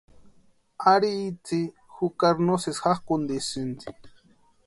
Ari itsï jukari no sési jákʼuntisïni.